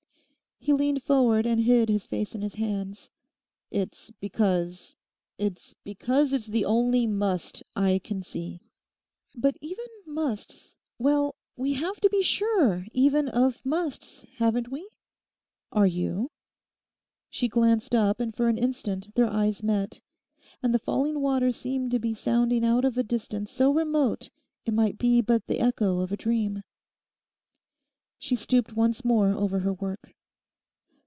He leant forward and hid his face in his hands. 'It's because—it's because it's the only "must" I can see.' 'But even "musts"—well, we have to be sure even of "musts," haven't we? Are you?' She glanced up and for an instant their eyes met, and the falling water seemed to be sounding out of a distance so remote it might be but the echo of a dream. She stooped once more over her work.